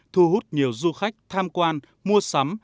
thu hút nhiều du khách tham quan mua sắm